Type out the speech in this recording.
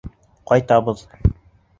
Ҡайтабыҙ.